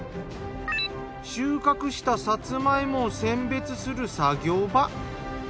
収穫したさつま芋を選別する作業場。